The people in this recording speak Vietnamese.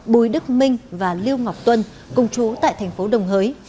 bùi đức minh và liêu ngọc tuân cùng chú tại thành phố đồng hới